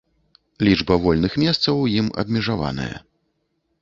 Лічба вольных месцаў у ім абмежаваная.